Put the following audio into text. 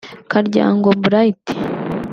Karyango Blight